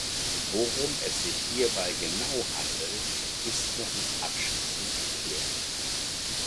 Worum es sich hierbei genau handelt ist noch nicht abschließend geklärt.